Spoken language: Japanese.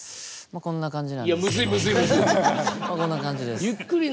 こんな感じです。